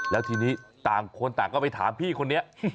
แล้วทีนี้ต่างคนต่างก็ไปถามพี่คนนี้